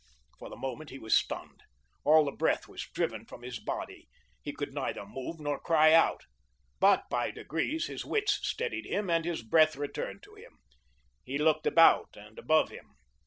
For the moment he was stunned. All the breath was driven from his body. He could neither move nor cry out. But, by degrees, his wits steadied themselves and his breath returned to him. He looked about and above him.